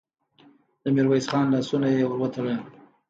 د ميرويس خان لاسونه يې ور وتړل.